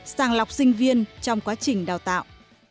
sàng lọc sinh viên trong quá trình đào tạo